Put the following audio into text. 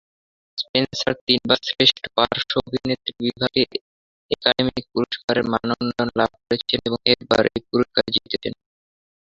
Spencer তিনবার শ্রেষ্ঠ পার্শ্ব অভিনেত্রী বিভাগে একাডেমি পুরস্কারের মনোনয়ন লাভ করেছেন এবং একবার এই পুরস্কার জিতেছেন।